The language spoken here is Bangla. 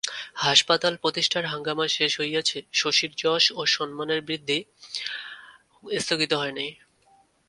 হাসপাতাল প্রতিষ্ঠার হাঙ্গামা শেষ হইয়াছে, শশীর যশ ও সম্মানের বৃদ্ধি স্থগিত হয় নাই।